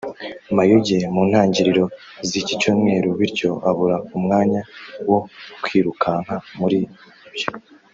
Mayuge mu ntangiriro z’iki cyumweru bityo abura umwanya wo kwirukanka muri ibyo